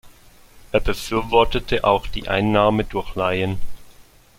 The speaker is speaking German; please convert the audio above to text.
Er befürwortete auch die Einnahme durch Laien.